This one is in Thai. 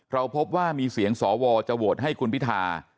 เราพบว่ามีเสียงสวจะโหวตให้คุณพิธา